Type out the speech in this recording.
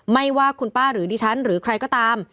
ไม่ว่าคุณป้าหรือดิฉันหรือใครก็ตาม